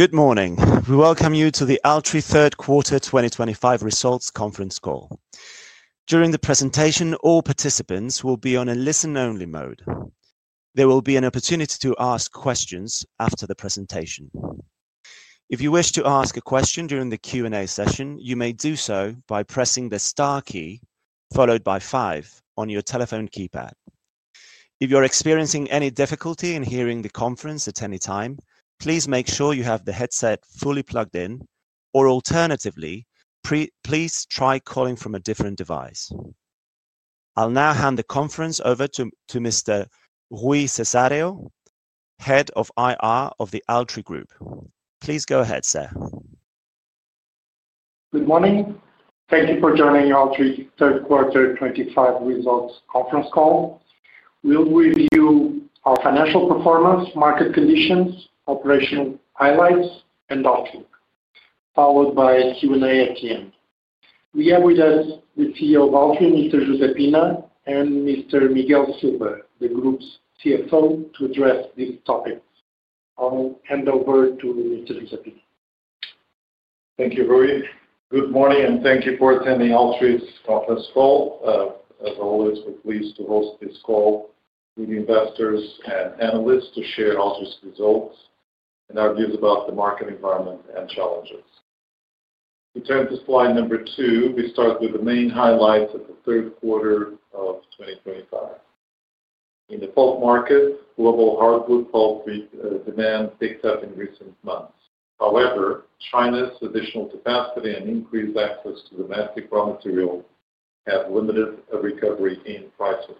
Good morning. We welcome you to the Altri Third Quarter 2025 Results Conference Call. During the presentation, all participants will be on a listen-only mode. There will be an opportunity to ask questions after the presentation. If you wish to ask a question during the Q&A session, you may do so by pressing the star key followed by five on your telephone keypad. If you're experiencing any difficulty in hearing the conference at any time, please make sure you have the headset fully plugged in, or alternatively, please try calling from a different device. I'll now hand the conference over to Mr. Rui Cesario, Head of IR of the Altri Group. Please go ahead, sir. Good morning. Thank you for joining Altri's Third Quarter 2025 Results Conference Call. We will review our financial performance, market conditions, operational highlights, and opt-in, followed by Q&A at the end. We have with us the CEO of Altri, Mr. José Pina, and Mr. Miguel da Silva, the Group's CFO, to address these topics. I will hand over to Mr. José Pina. Thank you, Rui. Good morning, and thank you for attending Altri's conference call. As always, we're pleased to host this call with investors and analysts to share Altri's results and our views about the market environment and challenges. To turn to slide number two, we start with the main highlights of the third quarter of 2025. In the pulp market, global hardwood pulp demand picked up in recent months. However, China's additional capacity and increased access to domestic raw materials have limited recovery in prices.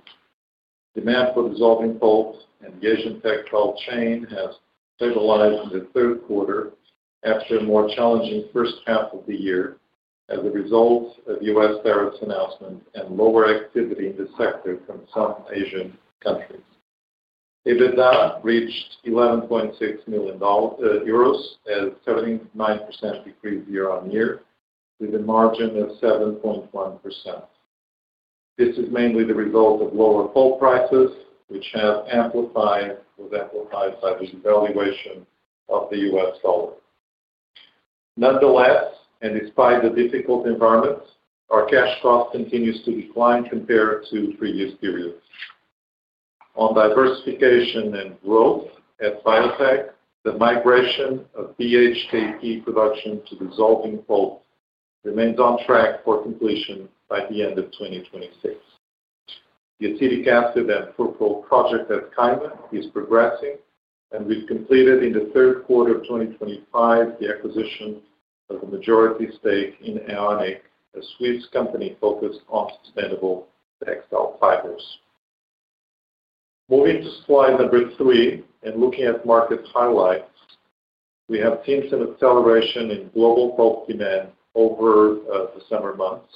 Demand for dissolving pulp and the Asian tech pulp chain has stabilized in the third quarter after a more challenging first half of the year as a result of U.S. tariffs announcement and lower activity in the sector from some Asian countries. EBITDA reached EUR 11.6 million, a 79% decrease year on year, with a margin of 7.1%. This is mainly the result of lower pulp prices, which have amplified by the devaluation of the U.S. dollar. Nonetheless, and despite the difficult environment, our cash cost continues to decline compared to previous periods. On diversification and growth at Biotek, the migration of BHKP production to dissolving pulp remains on track for completion by the end of 2026. The acetic acid and furfural project at Caima is progressing, and we've completed in the third quarter of 2025 the acquisition of a majority stake in AeoniQ, a Swedish company focused on sustainable textile fibers. Moving to slide number three and looking at market highlights, we have seen some acceleration in global pulp demand over the summer months.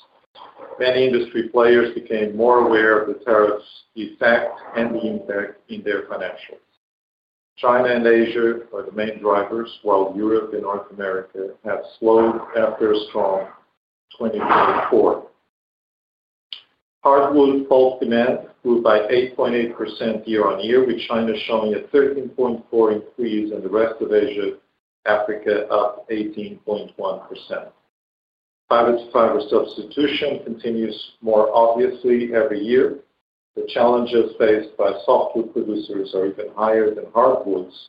Many industry players became more aware of the tariffs' effect and the impact in their financials. China and Asia are the main drivers, while Europe and North America have slowed after a strong 2024. Hardwood pulp demand grew by 8.8% year on year, with China showing a 13.4% increase and the rest of Asia and Africa up 18.1%. Fiber-to-fiber substitution continues more obviously every year. The challenges faced by softwood producers are even higher than hardwoods,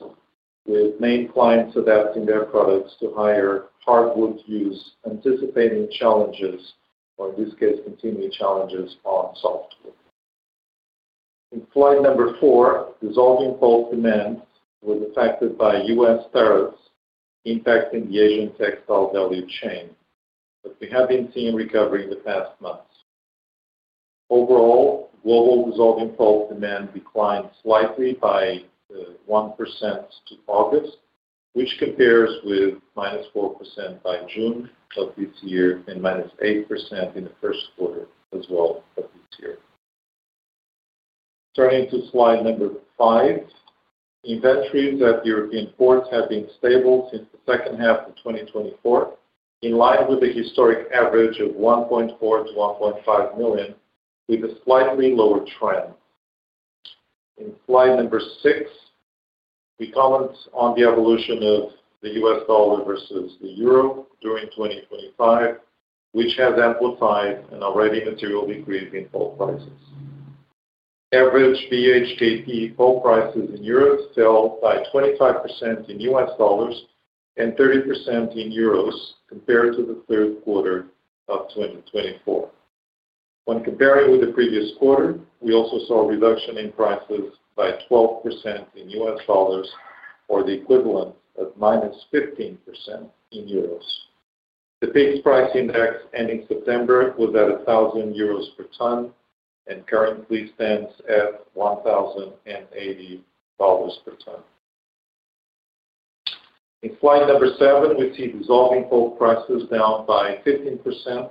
with main clients adapting their products to higher hardwood use, anticipating challenges, or in this case, continuing challenges on softwood. In slide number four, dissolving pulp demand was affected by U.S. tariffs impacting the Asian textile value chain, but we have been seeing recovery in the past months. Overall, global dissolving pulp demand declined slightly by 1% to August, which compares with -4% by June of this year and -8% in the first quarter as well of this year. Turning to slide number five, inventories at European ports have been stable since the second half of 2024, in line with a historic average of 1.4 million-1.5 million, with a slightly lower trend. In slide number six, we comment on the evolution of the U.S. dollar versus the euro during 2025, which has amplified an already material decrease in pulp prices. Average BHKP pulp prices in Europe fell by 25% in U.S. dollars and 30% in euros compared to the Q3 of 2024. When comparing with the previous quarter, we also saw a reduction in prices by 12% in U.S. dollars or the equivalent of -15% in euros. The PIX price index ending September was at 1,000 euros per tonne and currently stands at $1,080 per tonne. In slide number seven, we see dissolving pulp prices down by 15%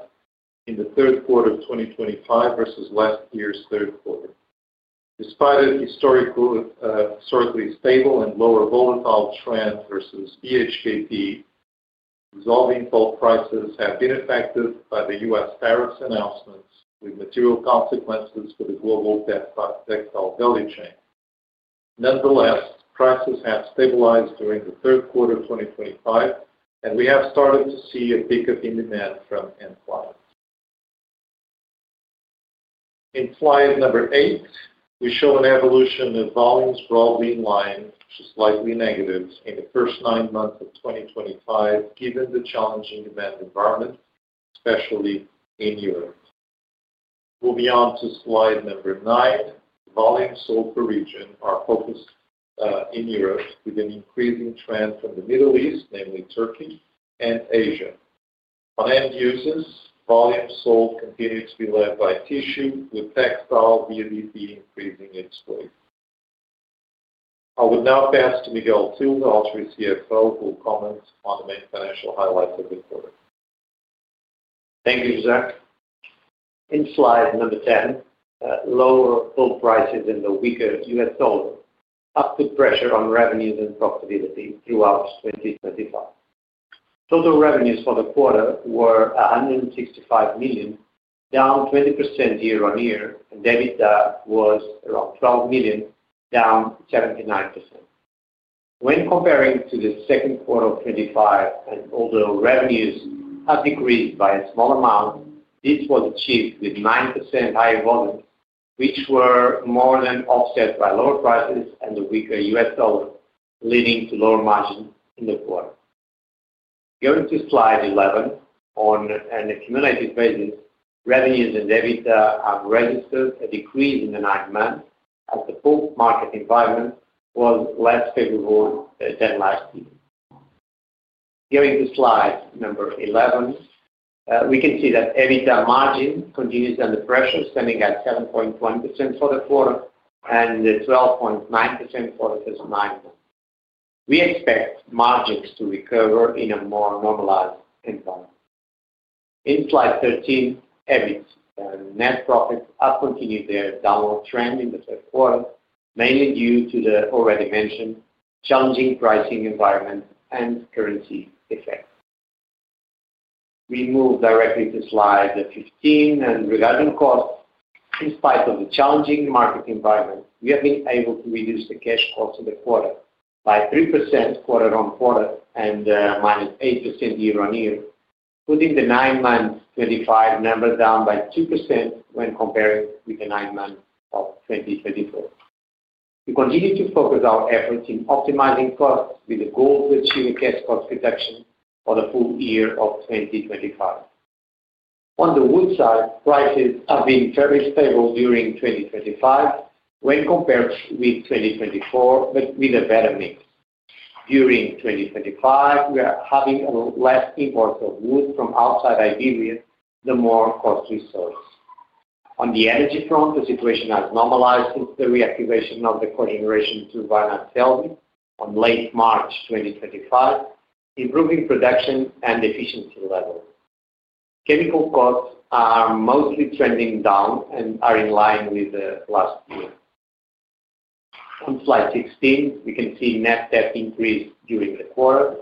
in the third quarter of 2025 versus last year's Q3. Despite a historically stable and lower volatile trend versus BHKP, dissolving pulp prices have been affected by the U.S. tariffs announcements, with material consequences for the global textile value chain. Nonetheless, prices have stabilized during the third quarter of 2025, and we have started to see a peak of in-demand from end clients. In slide number eight, we show an evolution of volumes broadly in line, which is slightly negative, in the first nine months of 2025, given the challenging demand environment, especially in Europe. Moving on to slide number nine, volumes sold per region are focused in Europe with an increasing trend from the Middle East, namely Turkey and Asia. On end uses, volumes sold continue to be led by tissue, with textile via DP increasing its weight. I would now pass to Miguel da Silva, Altri CFO, who will comment on the main financial highlights of the quarter. Thank you, José. In slide number ten, lower pulp prices and the weaker U.S. dollar put pressure on revenues and profitability throughout 2025. Total revenues for the quarter were 165 million, down 20% year on year, and EBITDA was around 12 million, down 79%. When comparing to second quarter of 2025, although revenues have decreased by a small amount, this was achieved with 9% higher volumes, which were more than offset by lower prices and the weaker U.S. dollar, leading to lower margins in the quarter. Going to slide 11, on an accumulated basis, revenues and EBITDA have registered a decrease in the nine months as the pulp market environment was less favorable than last year. Going to slide number 11, we can see that EBITDA margin continues under pressure, standing at 7.1% for the quarter and 12.9% for the first nine months. We expect margins to recover in a more normalized environment. In slide 13, EBIT and net profits have continued their downward trend in the third quarter, mainly due to the already mentioned challenging pricing environment and currency effect. We move directly to slide 15, and regarding costs, in spite of the challenging market environment, we have been able to reduce the cash cost of the quarter by 3% quarter on quarter and -8% year on year, putting the nine months 2025 number down by 2% when compared with the nine months of 2024. We continue to focus our efforts in optimizing costs with the goal to achieve a cash cost reduction for the full year of 2025. On the wood side, prices have been fairly stable during 2025 when compared with 2024, but with a better mix. During 2025, we are having less imports of wood from outside Iberia, the more cost resource. On the energy front, the situation has normalized since the reactivation of the cogeneration turbine at Celbi in late March 2025, improving production and efficiency levels. Chemical costs are mostly trending down and are in line with last year. On slide 16, we can see net debt increase during the quarter,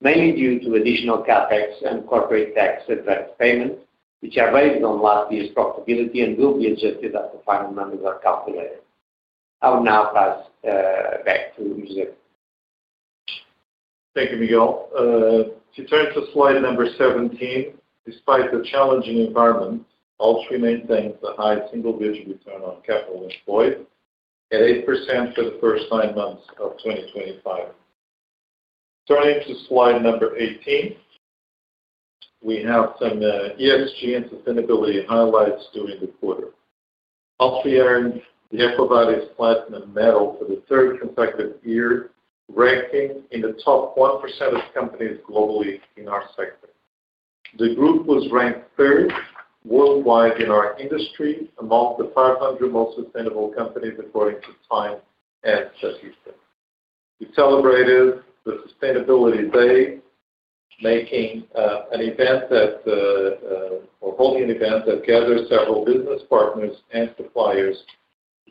mainly due to additional CapEx and corporate tax-advanced payments, which are based on last year's profitability and will be adjusted after final numbers are calculated. I will now pass back to José. Thank you, Miguel. To turn to slide number 17, despite the challenging environment, Altri maintains a high single-digit return on capital employed at 8% for the first nine months of 2025. Turning to slide number 18, we have some ESG and sustainability highlights during the quarter. Altri earned the EcoVadis Platinum Medal for the third consecutive year, ranking in the top 1% of companies globally in our sector. The group was ranked third worldwide in our industry among the 500 most sustainable companies, according to TIME and Statista. We celebrated the Sustainability Day, holding an event that gathered several business partners and suppliers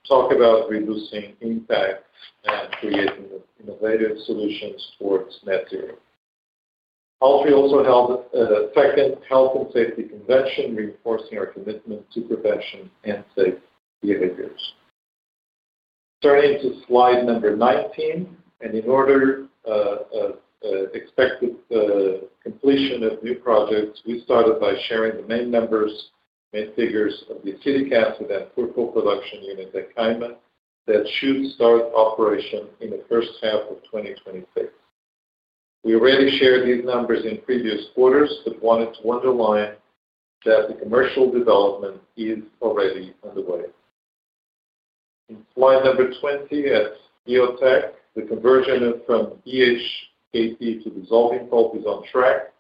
to talk about reducing impact and creating innovative solutions towards net zero. Altri also held a second health and safety convention, reinforcing our commitment to prevention and safe behaviors. Turning to slide number 19, and in order of expected completion of new projects, we started by sharing the main numbers, main figures of the acetic acid and furfural production unit at Caima that should start operation in the first half of 2026. We already shared these numbers in previous quarters, but wanted to underline that the commercial development is already underway. In slide number 20 at Biotek, the conversion from BHKP to dissolving pulp is on track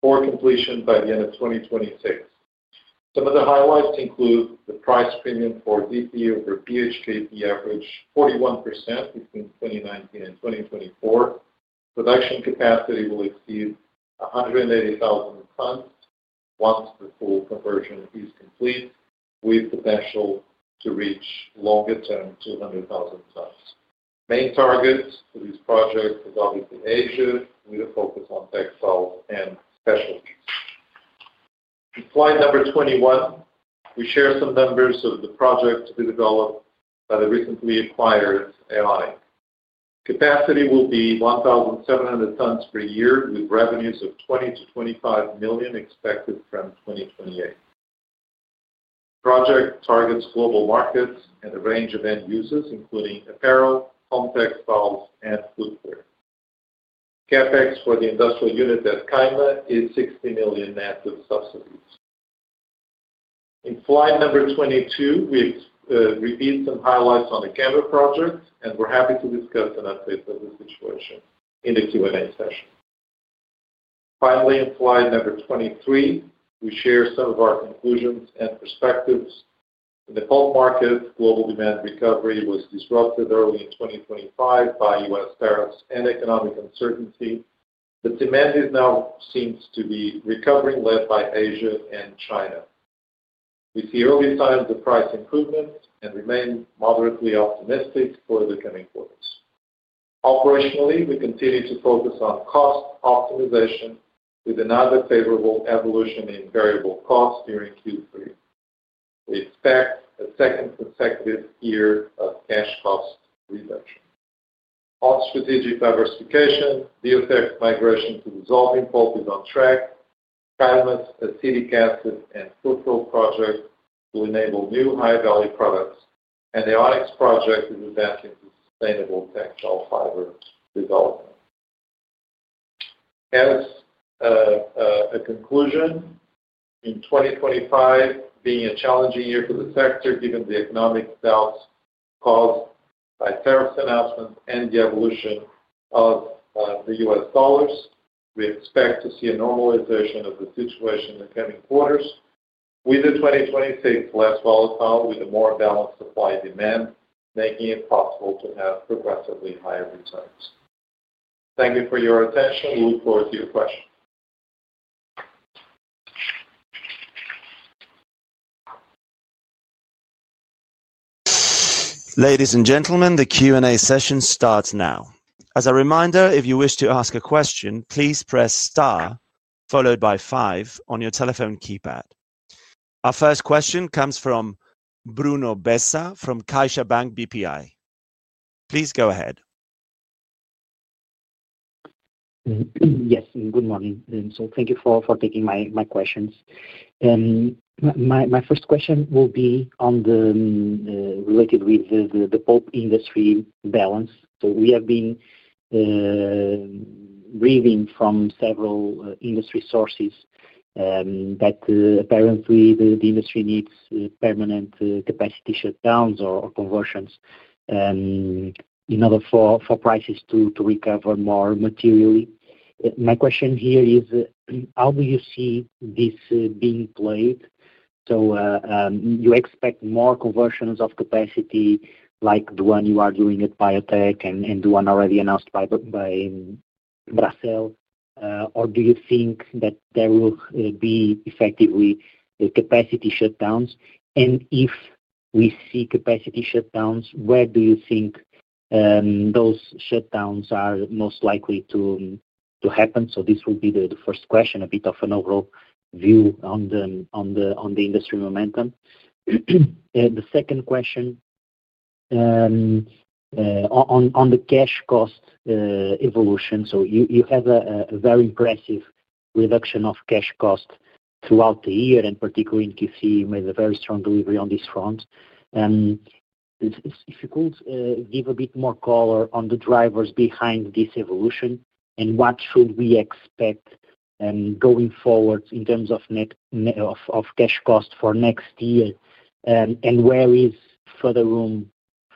for completion by the end of 2026. Some of the highlights include the price premium for DP over BHKP averaged 41% between 2019 and 2024. Production capacity will exceed 180,000 tonnes once the full conversion is complete, with potential to reach longer-term 200,000 tonnes. Main targets for this project are obviously Asia, with a focus on textiles and specialties. In slide number 21, we share some numbers of the project to be developed by the recently acquired AeoniQ. Capacity will be 1,700 tonnes per year, with revenues of 20 million-25 million expected from 2028. The project targets global markets and a range of end users, including apparel, pulp textiles, and food casings. CapEx for the industrial unit at Caima is 60 million net with subsidies. In slide number 22, we repeat some highlights on the Caima project, and we're happy to discuss an update of the situation in the Q&A session. Finally, in slide number 23, we share some of our conclusions and perspectives. In the pulp market, global demand recovery was disrupted early in 2025 by U.S. tariffs and economic uncertainty, but demand now seems to be recovering, led by Asia and China. We see early signs of price improvements and remain moderately optimistic for the coming quarters. Operationally, we continue to focus on cost optimization with another favorable evolution in variable costs during Q3. We expect a second consecutive year of cash cost reduction. On strategic diversification, Biotek's migration to dissolving pulp is on track. Caima's acetic acid and furfural project will enable new high-value products, and AeoniQ's project is advancing to sustainable textile fiber development. As a conclusion, in 2025 being a challenging year for the sector, given the economic doubts caused by tariffs announcements and the evolution of the U.S. dollar, we expect to see a normalization of the situation in the coming quarters, with 2026 less volatile, with a more balanced supply demand, making it possible to have progressively higher returns. Thank you for your attention. We look forward to your questions. Ladies and gentlemen, the Q&A session starts now. As a reminder, if you wish to ask a question, please press star followed by five on your telephone keypad. Our first question comes from Bruno Bessa from CaixaBank BPI. Please go ahead. Yes, good morning. Thank you for taking my questions. My first question will be related with the pulp industry balance. We have been reading from several industry sources that apparently the industry needs permanent capacity shutdowns or conversions in order for prices to recover more materially. My question here is, how do you see this being played? Do you expect more conversions of capacity like the one you are doing at Biotek and the one already announced by Bracell, or do you think that there will be effectively capacity shutdowns? If we see capacity shutdowns, where do you think those shutdowns are most likely to happen? This will be the first question, a bit of an overall view on the industry momentum. The second question on the cash cost evolution. You have a very impressive reduction of cash cost throughout the year, and particularly in Q3, you made a very strong delivery on this front. If you could give a bit more color on the drivers behind this evolution and what should we expect going forward in terms of cash cost for next year, and where is further room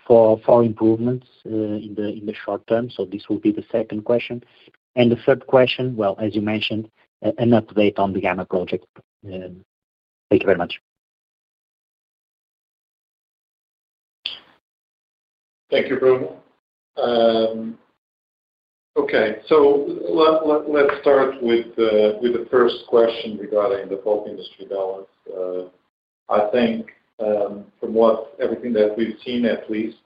for improvements in the short term? This will be the second question. The third question, as you mentioned, an update on the Caima project. Thank you very much. Thank you, Bruno. Okay, let's start with the first question regarding the pulp industry balance. I think from everything that we've seen, at least,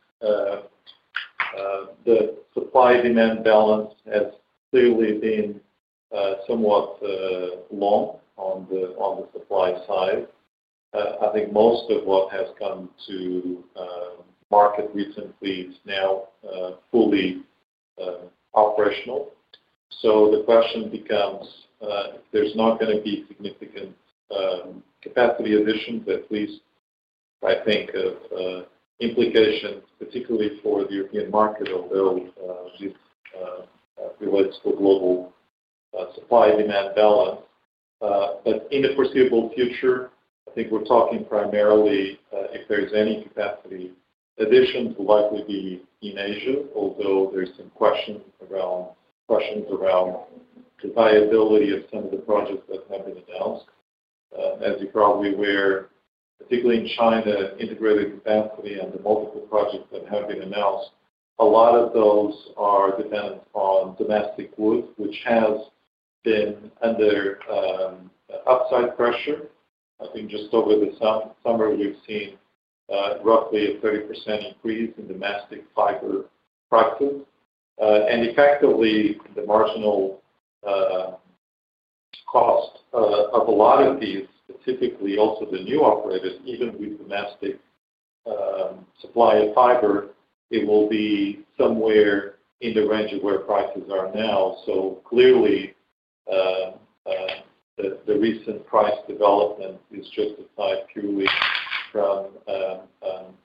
the supply-demand balance has clearly been somewhat long on the supply side. I think most of what has come to market recently is now fully operational. The question becomes if there's not going to be significant capacity additions, at least I think of implications, particularly for the European market, although this relates to global supply-demand balance. In the foreseeable future, I think we're talking primarily, if there is any capacity addition, it will likely be in Asia, although there are some questions around the viability of some of the projects that have been announced. As you probably are aware, particularly in China, integrated capacity and the multiple projects that have been announced, a lot of those are dependent on domestic wood, which has been under upside pressure. I think just over the summer, we've seen roughly a 30% increase in domestic fiber prices. Effectively, the marginal cost of a lot of these, specifically also the new operators, even with domestic supply of fiber, it will be somewhere in the range of where prices are now. Clearly, the recent price development is justified purely from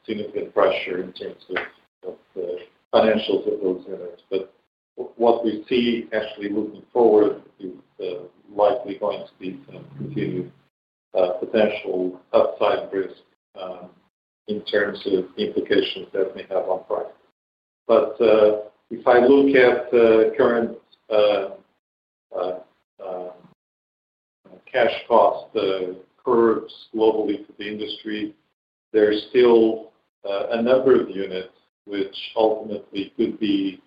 significant pressure in terms of the financials of those units. What we see actually moving forward is likely going to be some continued potential upside risk in terms of implications that may have on prices. If I look at current cash cost curves globally for the industry, there's still a number of units which ultimately could be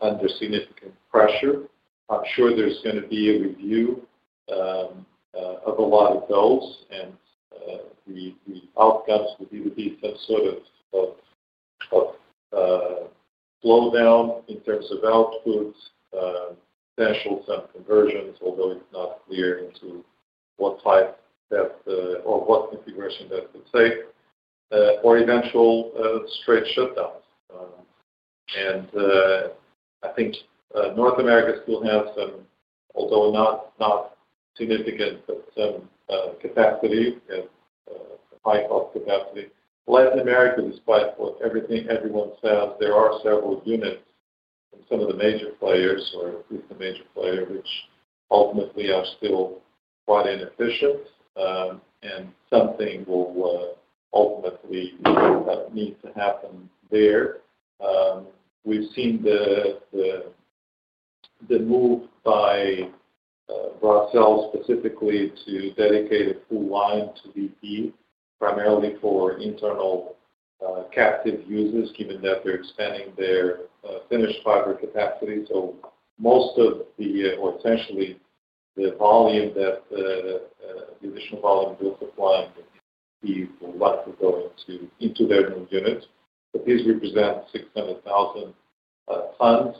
under significant pressure. I'm sure there's going to be a review of a lot of those, and the outcomes would either be some sort of slowdown in terms of output, potential some conversions, although it's not clear into what type or what configuration that could take, or eventual straight shutdowns. I think North America still has some, although not significant, but some capacity and high-cost capacity. Latin America, despite what everyone says, there are several units from some of the major players, or at least the major player, which ultimately are still quite inefficient, and something will ultimately need to happen there. We've seen the move by Bracell specifically to dedicate a full line to DP, primarily for internal captive users, given that they're expanding their finished fiber capacity. Most of the, or essentially the volume that the additional volume we're supplying would be likely going into their new units. These represent 600,000 tonnes.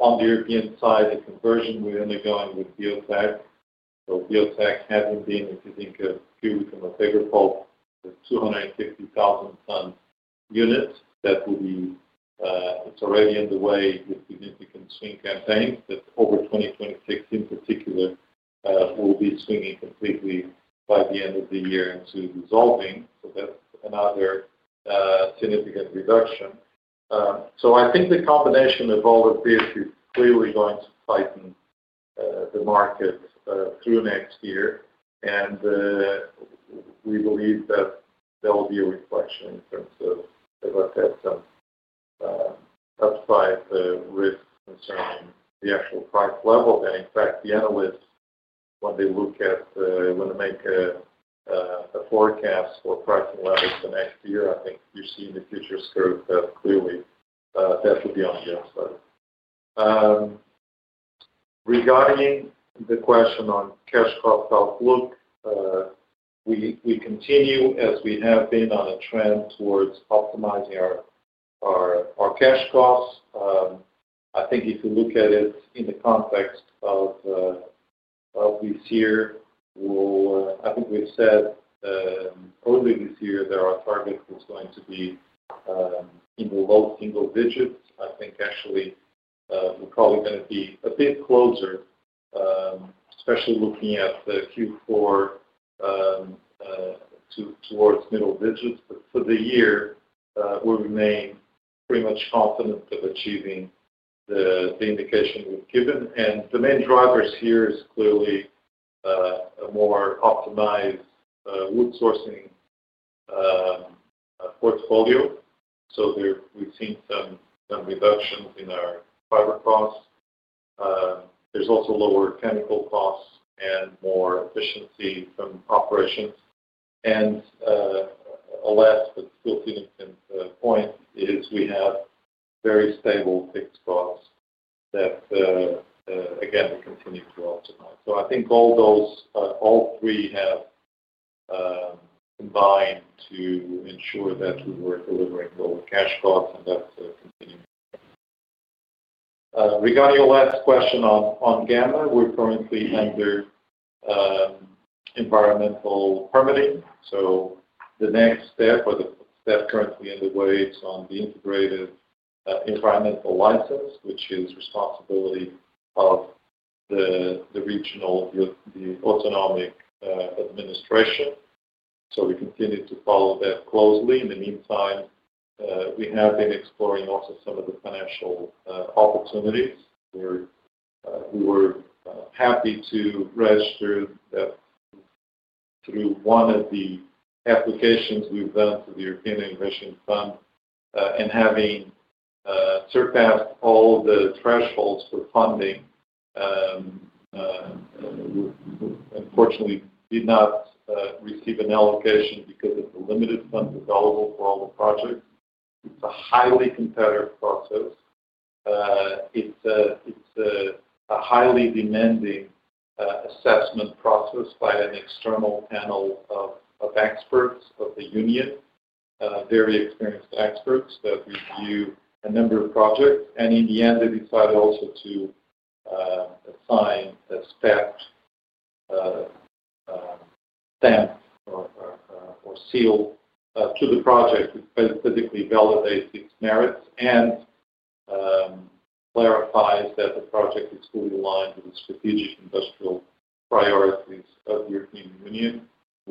On the European side, the conversion we're undergoing with Biotek, so Biotek hasn't been, if you think of fuel from a bigger pulp, 250,000-tonne units. That will be, it's already underway with significant swing campaigns, but over 2026 in particular, will be swinging completely by the end of the year into dissolving. That's another significant reduction. I think the combination of all of this is clearly going to tighten the market through next year, and we believe that there will be a reflection in terms of a set of upside risks concerning the actual price level. In fact, the analysts, when they look at, when they make a forecast for pricing levels for next year, I think you see in the future scope that clearly that will be on the upside. Regarding the question on cash cost outlook, we continue as we have been on a trend towards optimizing our cash costs. I think if you look at it in the context of this year, I think we've said earlier this year that our target was going to be in the low single digits. I think actually we're probably going to be a bit closer, especially looking at Q4, towards middle digits. For the year, we'll remain pretty much confident of achieving the indication we've given. The main drivers here is clearly a more optimized wood sourcing portfolio. We've seen some reductions in our fiber costs. There's also lower chemical costs and more efficiency from operations. A last but still significant point is we have very stable fixed costs that, again, we continue to optimize. I think all those, all three have combined to ensure that we were delivering lower cash costs, and that's continuing. Regarding your last question on Caima, we're currently under environmental permitting. The next step, or the step currently underway, is on the integrated environmental license, which is responsibility of the regional autonomic administration. We continue to follow that closely. In the meantime, we have been exploring also some of the financial opportunities. We were happy to register that through one of the applications we've done to the European Innovation Fund, and having surpassed all the thresholds for funding, unfortunately, did not receive an allocation because of the limited funds available for all the projects. It is a highly competitive process. It is a highly demanding assessment process by an external panel of experts of the union, very experienced experts that review a number of projects. In the end, they decide also to assign a STEP stamp or seal to the project, which basically validates its merits and clarifies that the project is fully aligned with the strategic industrial priorities of the European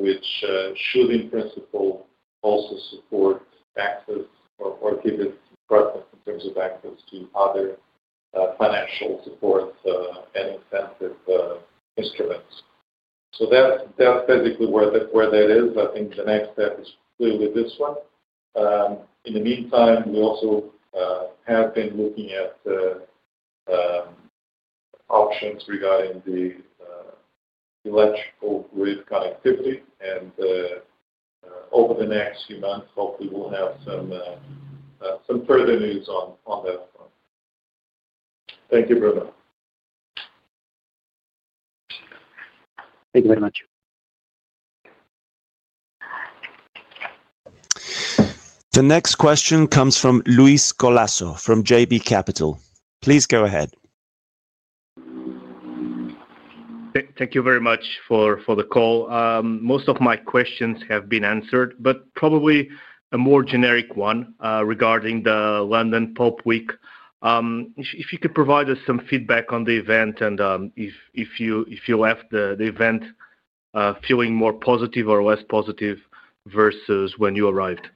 Union, which should, in principle, also support access or give it preference in terms of access to other financial support and incentive instruments. That is basically where that is. I think the next step is clearly this one. In the meantime, we also have been looking at options regarding the electrical grid connectivity. Over the next few months, hopefully, we'll have some further news on that front. Thank you, Bruno. Thank you very much. The next question comes from Luis Colaço from JB Capital. Please go ahead. Thank you very much for the call. Most of my questions have been answered, but probably a more generic one regarding the London Pulp Week. If you could provide us some feedback on the event and if you left the event feeling more positive or less positive versus when you arrived.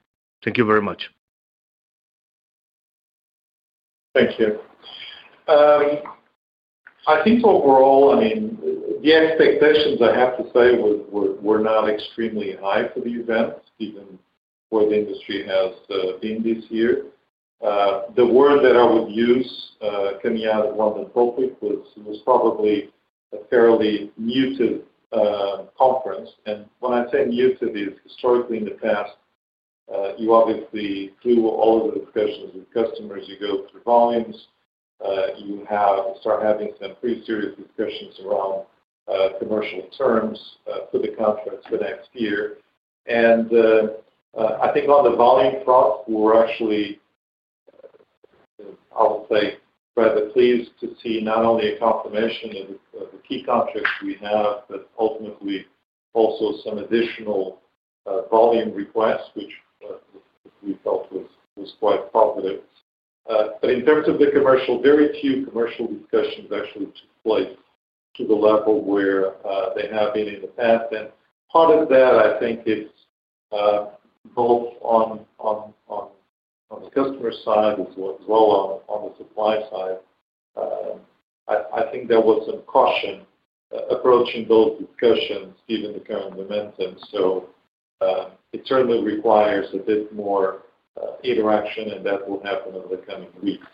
Thank you very much. Thank you. I think overall, I mean, the expectations, I have to say, were not extremely high for the event, given where the industry has been this year. The word that I would use coming out of London Pulp Week was probably a fairly muted conference. When I say muted, it's historically in the past, you obviously do all of the discussions with customers. You go through volumes. You start having some pretty serious discussions around commercial terms for the contracts for next year. I think on the volume front, we're actually, I would say, rather pleased to see not only a confirmation of the key contracts we have, but ultimately also some additional volume requests, which we felt was quite positive. In terms of the commercial, very few commercial discussions actually took place to the level where they have been in the past. Part of that, I think, is both on the customer side as well as on the supply side. I think there was some caution approaching those discussions, given the current momentum. It certainly requires a bit more interaction, and that will happen over the coming weeks.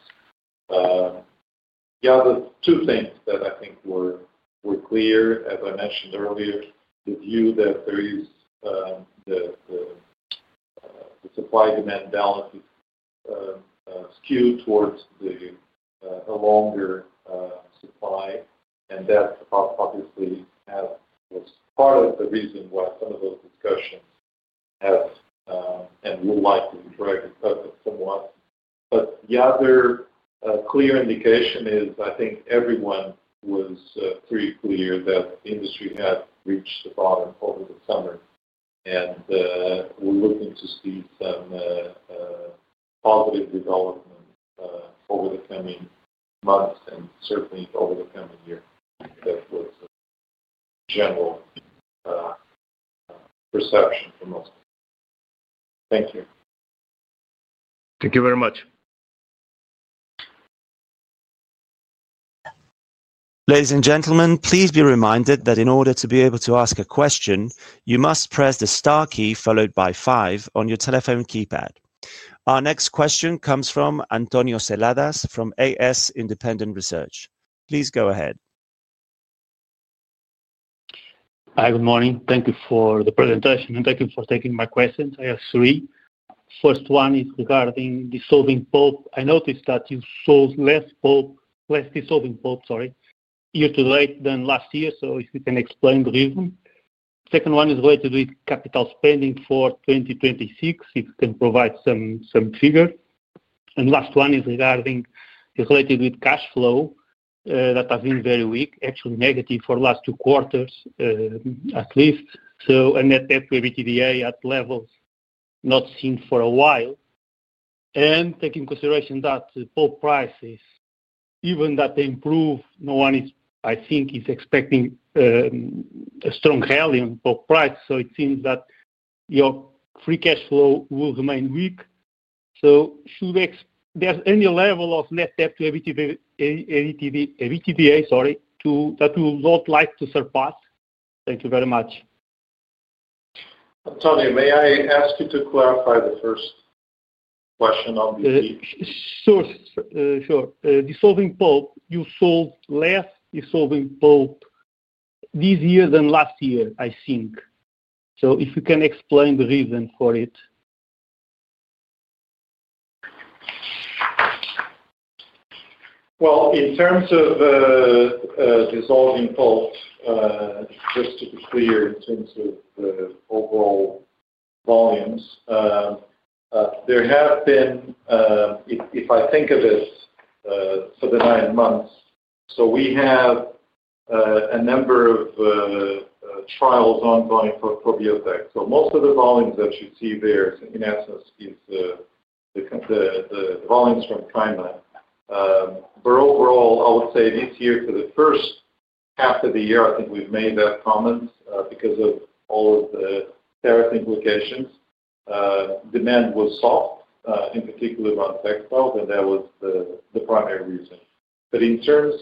The other two things that I think were clear, as I mentioned earlier, the view that the supply-demand balance is SKU'd towards a longer supply, and that obviously was part of the reason why some of those discussions have and would likely be dragged apart somewhat. The other clear indication is I think everyone was pretty clear that the industry had reached the bottom over the summer, and we are looking to see some positive development over the coming months and certainly over the coming year. That was the general perception for most. Thank you. Thank you very much. Ladies and gentlemen, please be reminded that in order to be able to ask a question, you must press the star key followed by five on your telephone keypad. Our next question comes from Antònio Seladas from AS Independent Research. Please go ahead. Hi, good morning. Thank you for the presentation, and thank you for taking my questions. I have three. First one is regarding dissolving pulp. I noticed that you sold less pulp, less dissolving pulp, sorry, year to date than last year, so if you can explain the reason. Second one is related with capital spending for 2026, if you can provide some figures. Last one is regarding related with cash flow that has been very weak, actually negative for the last two quarters at least. A net debt-to-EBITDA at levels not seen for a while. Taking into consideration that pulp prices, even that they improve, no one is, I think, expecting a strong rally on pulp prices. It seems that your free cash flow will remain weak. Should there be any level of net debt-to-EBITDA that you would like to surpass? Thank you very much. António, may I ask you to clarify the first question? Sure. Sure. Dissolving pulp, you sold less dissolving pulp this year than last year, I think. If you can explain the reason for it. In terms of dissolving pulp, just to be clear in terms of overall volumes, there have been, if I think of it for the nine months, we have a number of trials ongoing for Biotek. Most of the volumes that you see there, in essence, is the volumes from China. Overall, I would say this year, for the first half of the year, I think we've made that comment because of all of the tariff implications. Demand was soft, in particular around textile, and that was the primary reason. In terms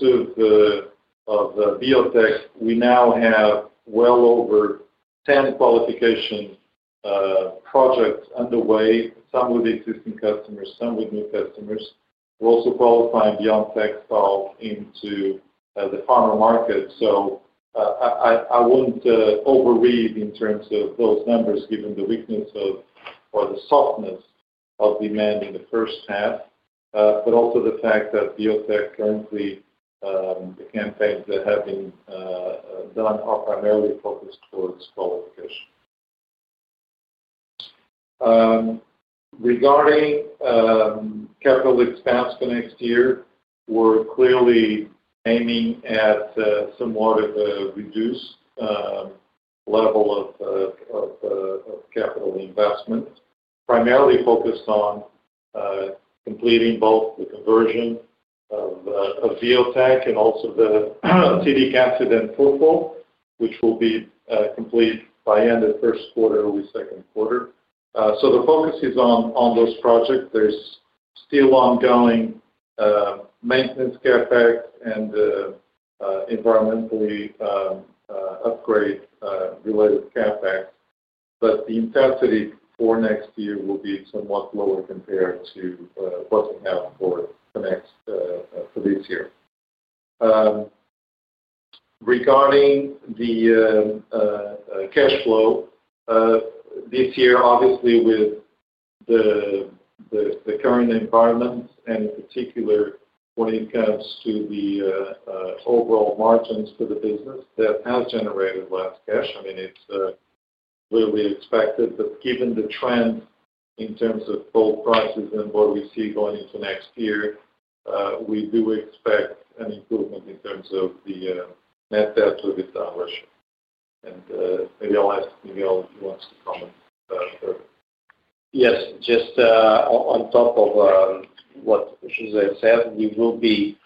of Biotek, we now have well over 10 qualification projects underway, some with existing customers, some with new customers. We're also qualifying beyond textile into the fiber market. I would not overread in terms of those numbers, given the weakness or the softness of demand in the first half, but also the fact that Biotek currently, the campaigns that have been done are primarily focused towards qualification. Regarding capital expense for next year, we are clearly aiming at somewhat of a reduced level of capital investment, primarily focused on completing both the conversion of Biotek and also the acetic acid and furfural, which will be complete by end of first quarter or second quarter. The focus is on those projects. There is still ongoing maintenance CapEx and environmental upgrade related CapEx, but the intensity for next year will be somewhat lower compared to what we have for this year. Regarding the cash flow, this year, obviously, with the current environment and in particular when it comes to the overall margins for the business that has generated less cash, I mean, it's clearly expected. Given the trend in terms of pulp prices and what we see going into next year, we do expect an improvement in terms of the net debt-to-EBITDA ratio. Maybe I'll ask Miguel if he wants to comment further. Yes. Just on top of what José said, we will be,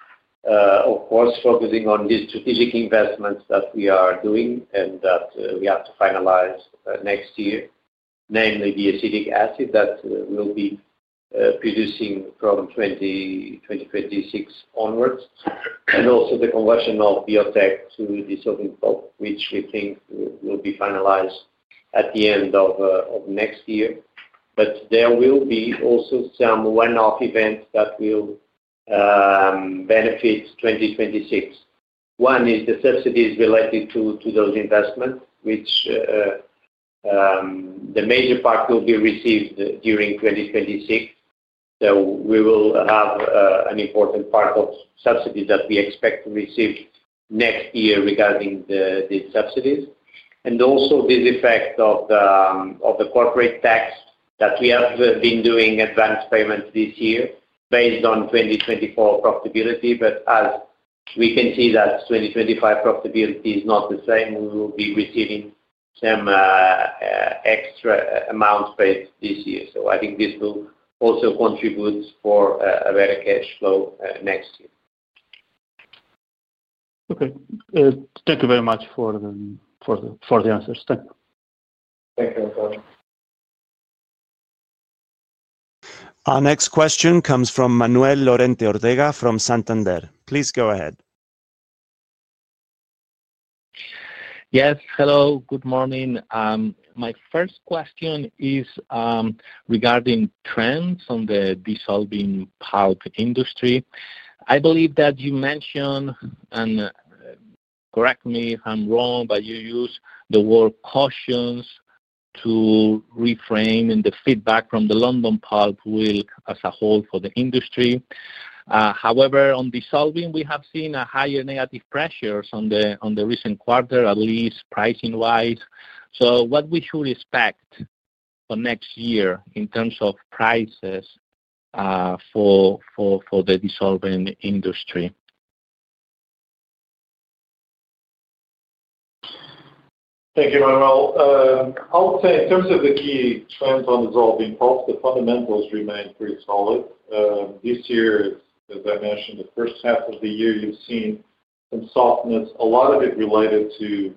of course, focusing on the strategic investments that we are doing and that we have to finalize next year, namely the acetic acid that we'll be producing from 2026 onwards, and also the conversion of Biotek to dissolving pulp, which we think will be finalized at the end of next year. There will be also some one-off events that will benefit 2026. One is the subsidies related to those investments, which the major part will be received during 2026. We will have an important part of subsidies that we expect to receive next year regarding the subsidies. Also, this effect of the corporate tax that we have been doing advance payments this year based on 2024 profitability. As we can see, 2025 profitability is not the same. We will be receiving some extra amount paid this year. I think this will also contribute for a better cash flow next year. Okay. Thank you very much for the answers. Thank you. Thank you, Antonio. Our next question comes from Manuel Lorente Ortega from Santander. Please go ahead. Yes. Hello. Good morning. My first question is regarding trends on the dissolving pulp industry. I believe that you mentioned, and correct me if I'm wrong, but you used the word cautious to reframe the feedback from the London Pulp Week as a whole for the industry. However, on dissolving, we have seen higher negative pressures on the recent quarter, at least pricing-wise. What should we expect for next year in terms of prices for the dissolving industry? Thank you, Manuel. I would say in terms of the key trends on dissolving pulp, the fundamentals remain pretty solid. This year, as I mentioned, the first half of the year, you've seen some softness, a lot of it related to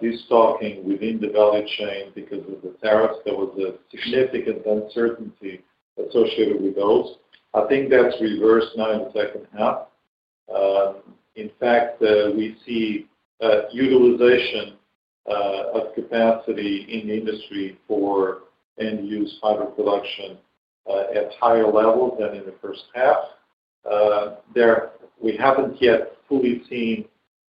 the stocking within the value chain because of the tariffs. There was a significant uncertainty associated with those. I think that's reversed now in the second half. In fact, we see utilization of capacity in the industry for end-use fiber production at higher levels than in the first half. We haven't yet fully seen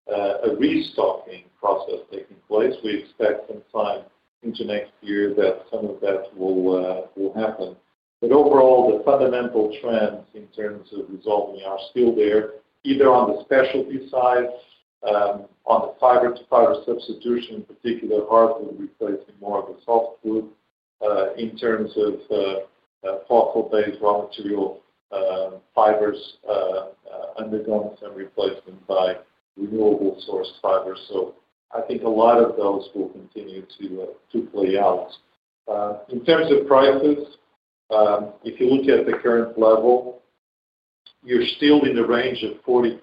a restocking process taking place. We expect some time into next year that some of that will happen. Overall, the fundamental trends in terms of dissolving are still there, either on the specialty side, on the fiber-to-fiber substitution, in particular, hardwood replacing more of the softwood. In terms of fossil-based raw material fibers, undergone some replacement by renewable-source fibers. I think a lot of those will continue to play out. In terms of prices, if you look at the current level, you are still in the range of 40%+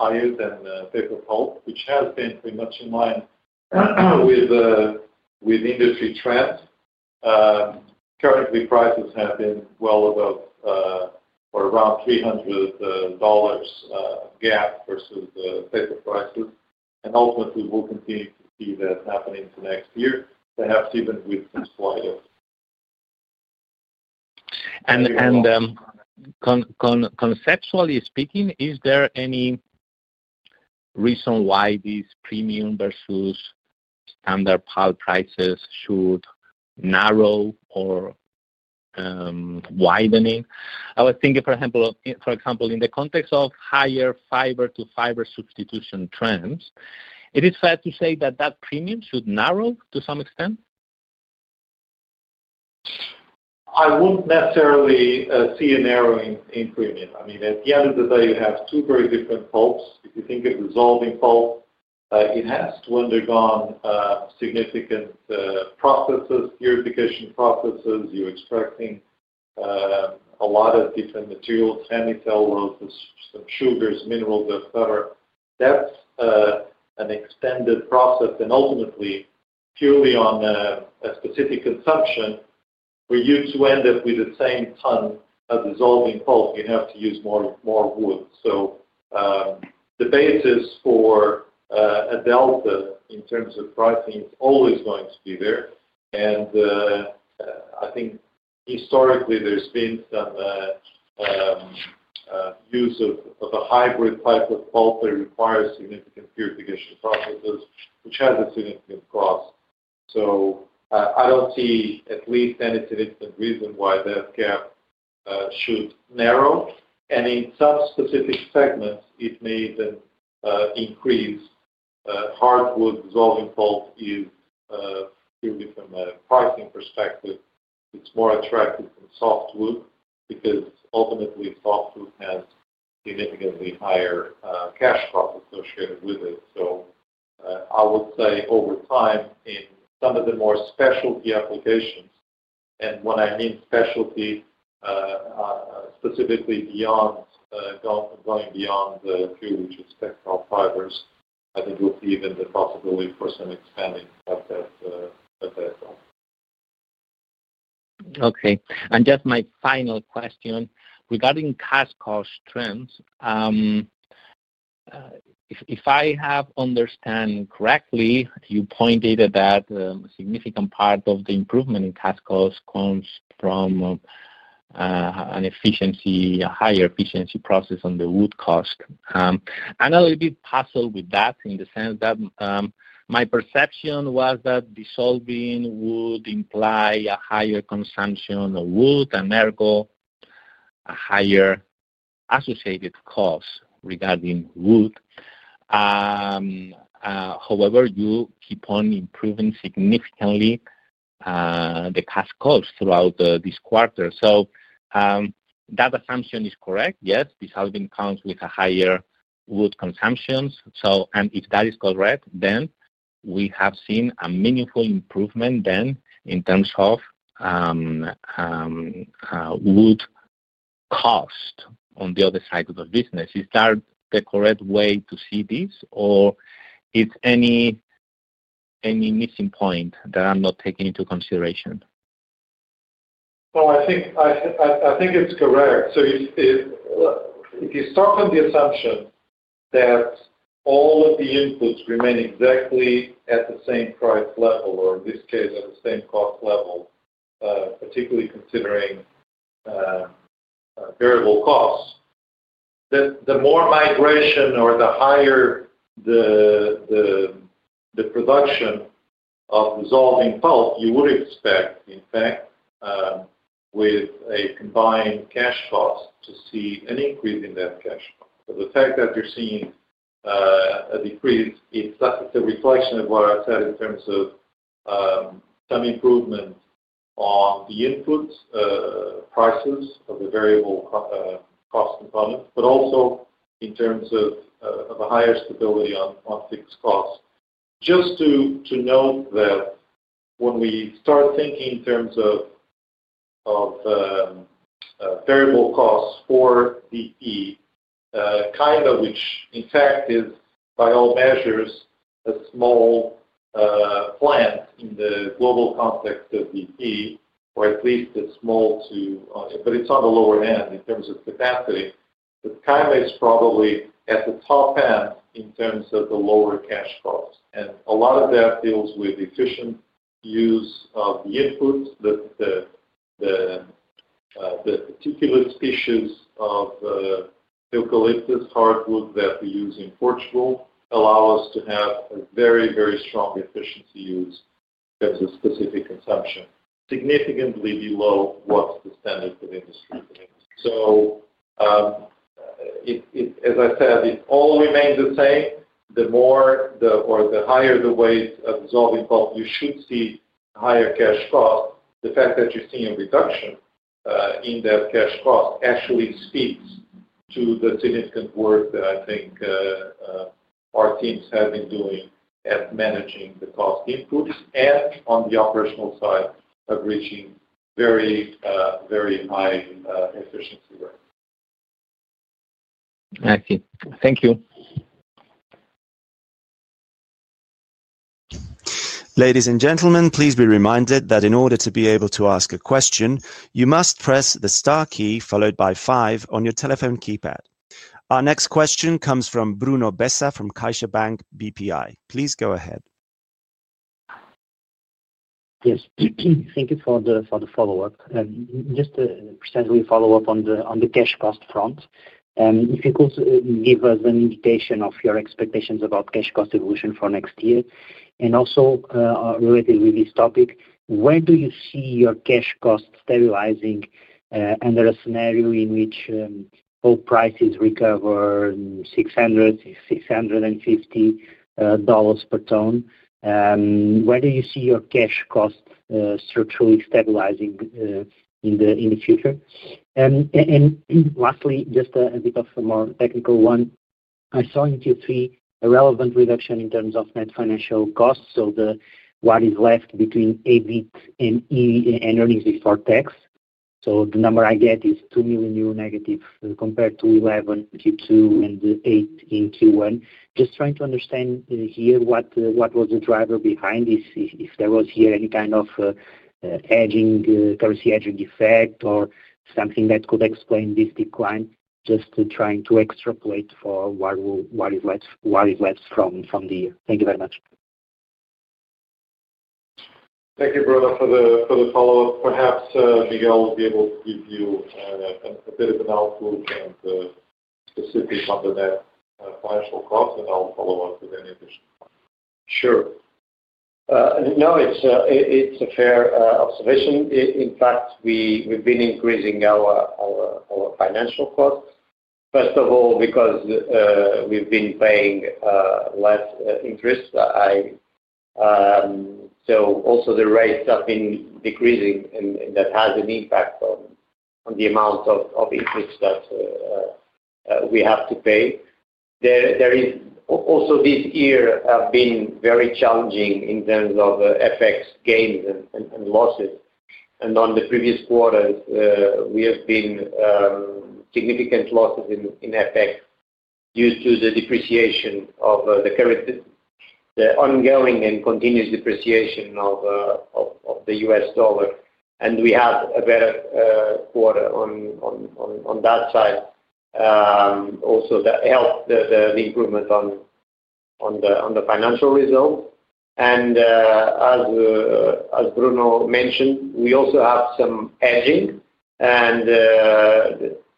higher than paper pulp, which has been pretty much in line with industry trends. Currently, prices have been well above or around a $300 gap versus paper prices. Ultimately, we will continue to see that happening for next year, perhaps even with some slight ups. Conceptually speaking, is there any reason why these premium versus standard pulp prices should narrow or widen? I was thinking, for example, in the context of higher fiber-to-fiber substitution trends, it is fair to say that that premium should narrow to some extent? I wouldn't necessarily see a narrowing in premium. I mean, at the end of the day, you have two very different pulps. If you think of dissolving pulp, it has to undergo significant processes, purification processes. You're extracting a lot of different materials, hemicellulose, some sugars, minerals, etc. That's an extended process. Ultimately, purely on a specific consumption, for you to end up with the same tonne of dissolving pulp, you have to use more wood. The basis for a delta in terms of pricing is always going to be there. I think historically, there's been some use of a hybrid type of pulp that requires significant purification processes, which has a significant cost. I don't see at least any significant reason why that gap should narrow. In some specific segments, it may even increase. Hardwood dissolving pulp is, purely from a pricing perspective, it's more attractive than softwood because ultimately, softwood has significantly higher cash costs associated with it. I would say over time, in some of the more specialty applications, and when I mean specialty, specifically going beyond the few, which is textile fibers, I think you'll see even the possibility for some expanding of that pulp. Okay. Just my final question regarding cash cost trends. If I have understood correctly, you pointed that a significant part of the improvement in cash cost comes from a higher efficiency process on the wood cost. I'm a little bit puzzled with that in the sense that my perception was that dissolving would imply a higher consumption of wood and therefore a higher associated cost regarding wood. However, you keep on improving significantly the cash cost throughout this quarter. That assumption is correct, yes, dissolving comes with a higher wood consumption. If that is correct, then we have seen a meaningful improvement then in terms of wood cost on the other side of the business. Is that the correct way to see this, or is there any missing point that I'm not taking into consideration? I think it's correct. If you start from the assumption that all of the inputs remain exactly at the same price level, or in this case, at the same cost level, particularly considering variable costs, that the more migration or the higher the production of dissolving pulp, you would expect, in fact, with a combined cash cost to see an increase in that cash cost. The fact that you're seeing a decrease, it's a reflection of what I said in terms of some improvement on the input prices of the variable cost components, but also in terms of a higher stability on fixed costs. Just to note that when we start thinking in terms of variable costs for DP, China, which in fact is, by all measures, a small plant in the global context of DP, or at least a small to, but it is on the lower end in terms of capacity, but China is probably at the top end in terms of the lower cash costs. A lot of that deals with efficient use of the inputs. The particular species of eucalyptus, hardwood that we use in Portugal allow us to have a very, very strong efficiency use in terms of specific consumption, significantly below what is the standard for the industry. As I said, if all remains the same, the more or the higher the weight of dissolving pulp, you should see higher cash cost. The fact that you're seeing a reduction in that cash cost actually speaks to the significant work that I think our teams have been doing at managing the cost inputs and on the operational side of reaching very, very high efficiency work. Thank you. Ladies and gentlemen, please be reminded that in order to be able to ask a question, you must press the star key followed by five on your telephone keypad. Our next question comes from Bruno Bessa from CaixaBank BPI. Please go ahead. Yes. Thank you for the follow-up. Just to presently follow up on the cash cost front. If you could give us an indication of your expectations about cash cost evolution for next year. Also related with this topic, where do you see your cash cost stabilizing under a scenario in which pulp prices recover $600-$650 per tonne? Where do you see your cash cost structurally stabilizing in the future? Lastly, just a bit of a more technical one. I saw in Q3 a relevant reduction in terms of net financial costs. What is left between EBIT and earnings before tax? The number I get is 2 million negative compared to 11 million in Q2 and 8 million in Q1. Just trying to understand here what was the driver behind this, if there was here any kind of currency hedging effect or something that could explain this decline. Just trying to extrapolate for what is left from the year. Thank you very much. Thank you, Bruno, for the follow-up. Perhaps Miguel will be able to give you a bit of an outlook and specifics on the net financial cost, and I'll follow up with any additional comments. Sure. No, it's a fair observation. In fact, we've been increasing our financial costs. First of all, because we've been paying less interest. Also, the rates have been decreasing, and that has an impact on the amount of interest that we have to pay. This year has been very challenging in terms of FX gains and losses. On the previous quarters, we have seen significant losses in FX due to the ongoing and continuous depreciation of the U.S. dollar. We have a better quarter on that side also that helped the improvement on the financial results. As Bruno mentioned, we also have some hedging.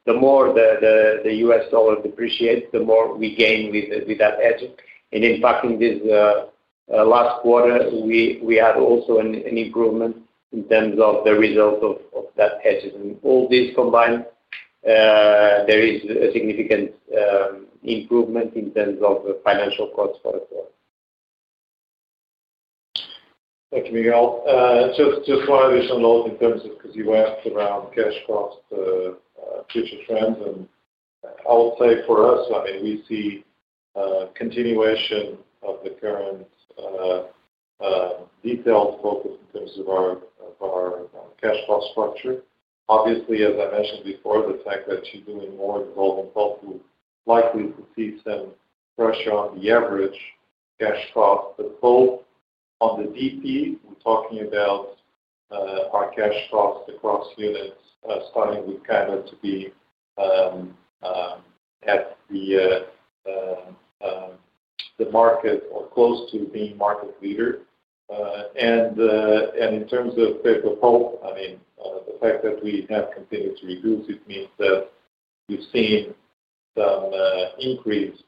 The more the U.S. dollar depreciates, the more we gain with that hedging. In fact, in this last quarter, we had also an improvement in terms of the result of that hedging. All these combined, there is a significant improvement in terms of financial costs for the quarter. Thank you, Miguel. Just one additional note in terms of because you asked around cash cost future trends. I would say for us, I mean, we see continuation of the current detailed focus in terms of our cash cost structure. Obviously, as I mentioned before, the fact that you're doing more dissolving pulp, we're likely to see some pressure on the average cash cost. Both on the DP, we're talking about our cash cost across units starting with kind of to be at the market or close to being market leader. In terms of paper pulp, I mean, the fact that we have continued to reduce, it means that we've seen some increased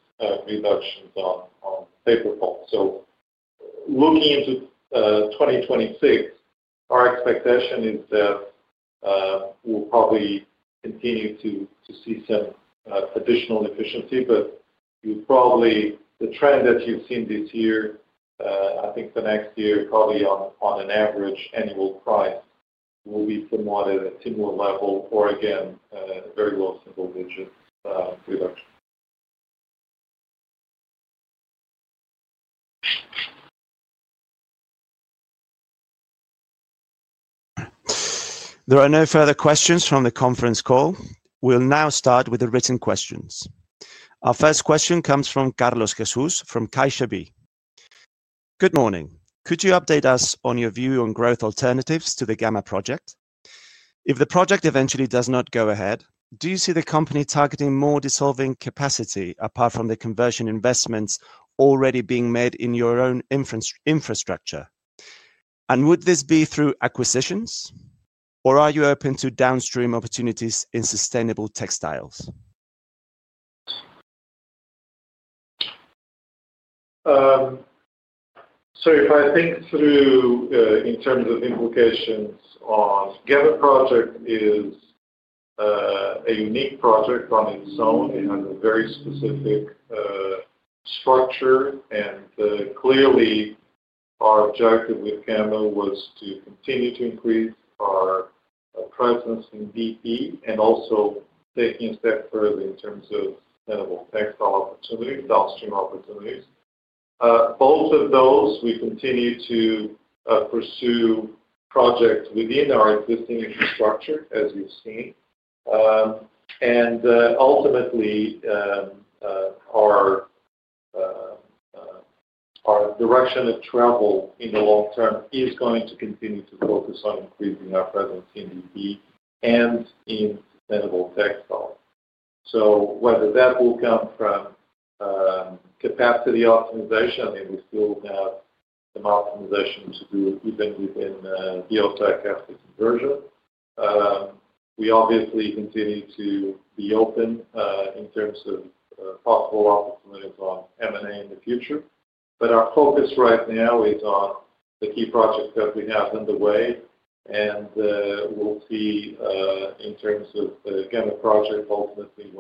reductions on paper pulp. Looking into 2026, our expectation is that we'll probably continue to see some additional efficiency. The trend that you've seen this year, I think for next year, probably on an average annual price, will be somewhat at a similar level or, again, very low single-digit reduction. There are no further questions from the conference call. We'll now start with the written questions. Our first question comes from Carlos Jesus from CaixaBI. Good morning. Could you update us on your view on growth alternatives to the Caima project? If the project eventually does not go ahead, do you see the company targeting more dissolving capacity apart from the conversion investments already being made in your own infrastructure? And would this be through acquisitions, or are you open to downstream opportunities in sustainable textiles? If I think through in terms of implications of Caima project, it is a unique project on its own. It has a very specific structure. Clearly, our objective with Caima was to continue to increase our presence in DP and also taking a step further in terms of sustainable textile opportunities, downstream opportunities. Both of those, we continue to pursue projects within our existing infrastructure, as you've seen. Ultimately, our direction of travel in the long term is going to continue to focus on increasing our presence in DP and in sustainable textile. Whether that will come from capacity optimization, I mean, we still have some optimization to do even within Biotek after conversion. We obviously continue to be open in terms of possible opportunities on M&A in the future. Our focus right now is on the key projects that we have underway. We will see in terms of the Caima project, ultimately,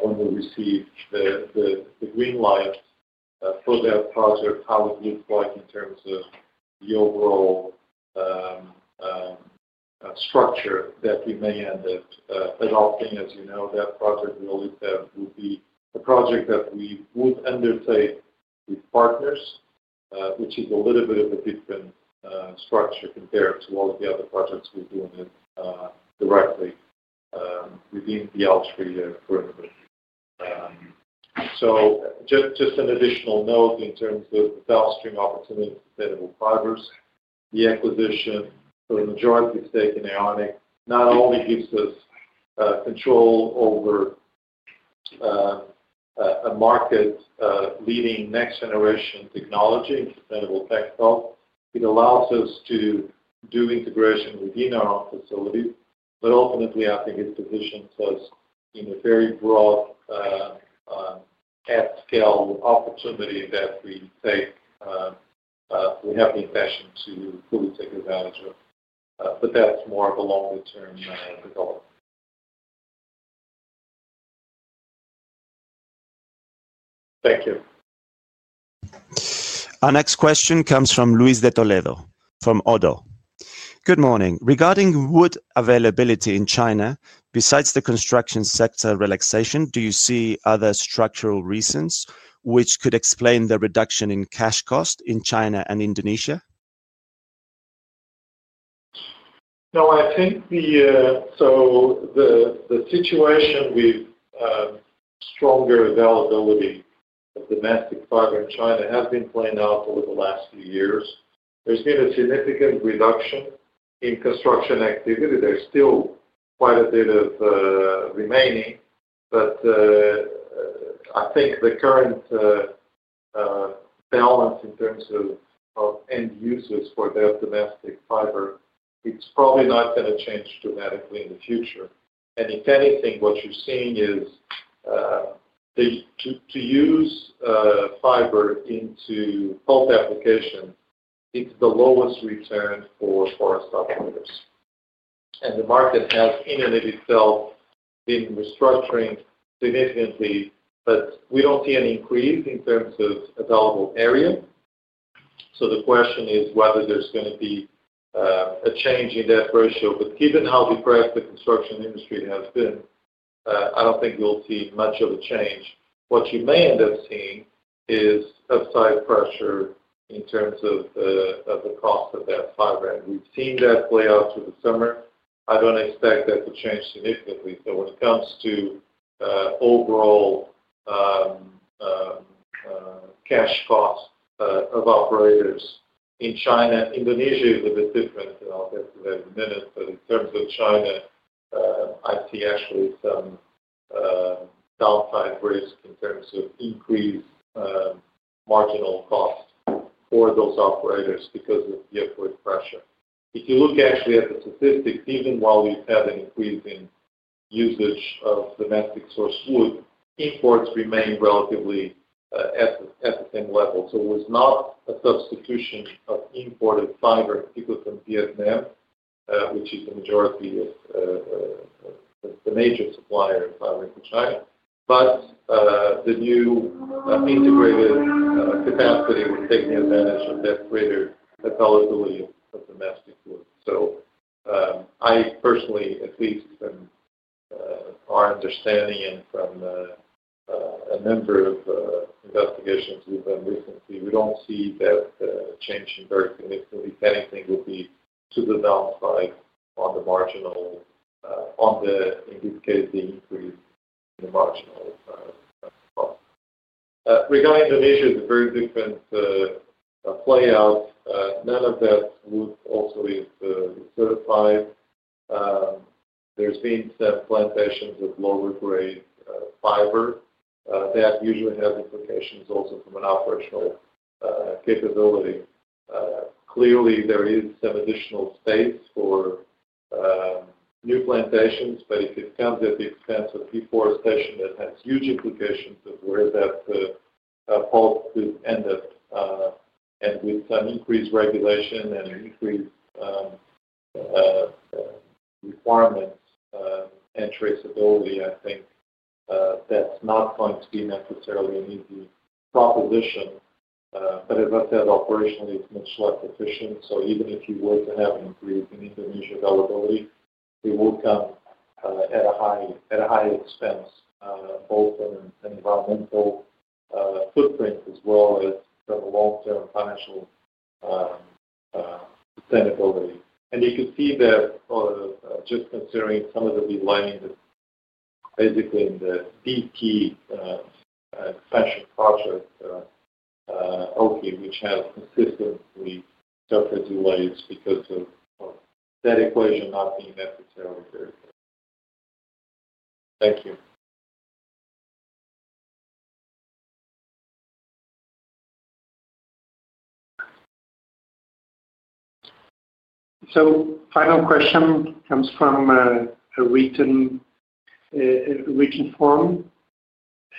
when we receive the green light for that project, how it looks like in terms of the overall structure that we may end up adopting. As you know, that project would be a project that we would undertake with partners, which is a little bit of a different structure compared to all the other projects we are doing directly within Biotek for the year. Just an additional note in terms of the downstream opportunity for sustainable fibers, the acquisition for the majority stake in AeoniQ not only gives us control over a market-leading next-generation technology in sustainable textile, it allows us to do integration within our own facilities. Ultimately, I think it positions us in a very broad at-scale opportunity that we have the intention to fully take advantage of. That is more of a longer-term development. Thank you. Our next question comes from Luis De Toledo from ODDO. Good morning. Regarding wood availability in China, besides the construction sector relaxation, do you see other structural reasons which could explain the reduction in cash cost in China and Indonesia? No, I think the situation with stronger availability of domestic fiber in China has been playing out over the last few years. There's been a significant reduction in construction activity. There's still quite a bit remaining. I think the current balance in terms of end users for their domestic fiber is probably not going to change dramatically in the future. If anything, what you're seeing is to use fiber into pulp application, it's the lowest return for forest operators. The market has in and of itself been restructuring significantly. We do not see an increase in terms of available area. The question is whether there's going to be a change in that ratio. Given how depressed the construction industry has been, I do not think we'll see much of a change. What you may end up seeing is upside pressure in terms of the cost of that fiber. We've seen that play out through the summer. I don't expect that to change significantly. When it comes to overall cash cost of operators in China. Indonesia is a bit different. I'll get to that in a minute. In terms of China, I see actually some downside risk in terms of increased marginal cost for those operators because of the upward pressure. If you look actually at the statistics, even while we've had an increase in usage of domestic source wood, imports remain relatively at the same level. It was not a substitution of imported fiber because of Vietnam, which is the majority of the major supplier of fiber in China. The new integrated capacity was taking advantage of that greater availability of domestic wood. I personally, at least from our understanding and from a number of investigations we've done recently, we don't see that changing very significantly. If anything, it will be to the downside on the marginal, in this case, the increase in the marginal cost. Regarding Indonesia, it's a very different playout. None of that wood also is certified. There's been some plantations of lower-grade fiber. That usually has implications also from an operational capability. Clearly, there is some additional space for new plantations. If it comes at the expense of deforestation, that has huge implications of where that pulp could end up. With some increased regulation and increased requirements and traceability, I think that's not going to be necessarily an easy proposition. As I said, operationally, it's much less efficient. Even if you were to have an increase in Indonesia availability, it would come at a high expense, both on an environmental footprint as well as from a long-term financial sustainability. You can see that just considering some of the delays, basically in the DP expansion project, which has consistently suffered delays because of that equation not being necessarily very clear. Thank you. The final question comes from a written form,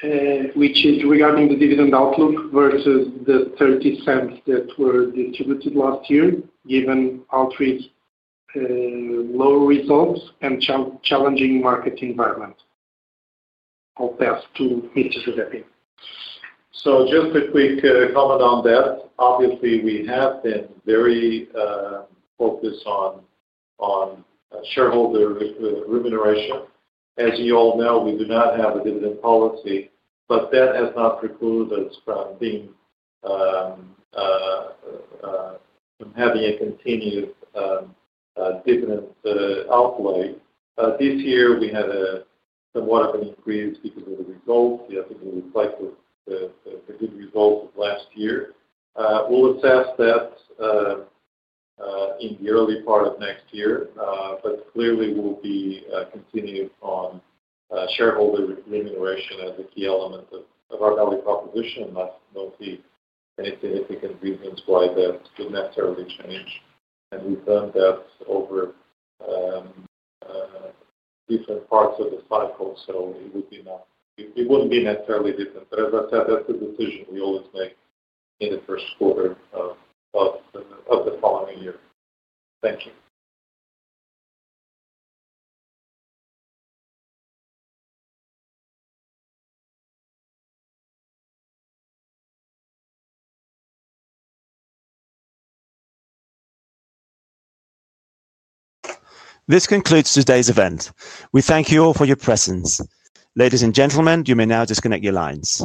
which is regarding the dividend outlook versus the €0.30 that were distributed last year, given Altri's low results and challenging market environment? I'll pass to Mr. José Pina. Just a quick comment on that. Obviously, we have been very focused on shareholder remuneration. As you all know, we do not have a dividend policy. That has not precluded us from having a continued dividend outlay. This year, we had somewhat of an increase because of the results. I think it reflects the good results of last year. We'll assess that in the early part of next year. Clearly, we'll be continuing on shareholder remuneration as a key element of our value proposition. I don't see any significant reasons why that would necessarily change. We've done that over different parts of the cycle. It wouldn't be necessarily different. As I said, that's a decision we always make in the first quarter of the following year. Thank you. This concludes today's event. We thank you all for your presence. Ladies and gentlemen, you may now disconnect your lines.